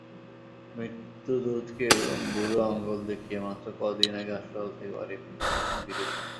মৃত্যুদূতকে বুড়ো আঙুল দেখিয়ে মাত্র কদিন আগে হাসপাতাল থেকে বাড়ি ফিরেছেন দীলিপ কুমার।